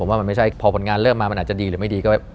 ว่ามันไม่ใช่พอผลงานเริ่มมามันอาจจะดีหรือไม่ดีก็